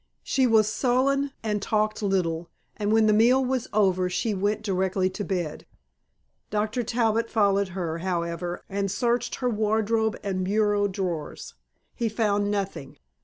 She was sullen and talked little, and when the meal was over she went directly to bed. Dr. Talbot followed her, however, and searched her wardrobe and bureau drawers. He found nothing.